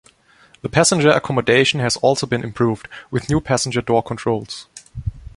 The passenger accommodation has also been improved, with new passenger door controls.